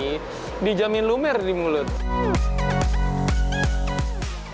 dijamin lumer di mulut